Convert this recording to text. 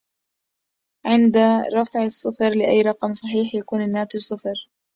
عند رفع الصفر لأي رقم صحيح يكون الناتج صفر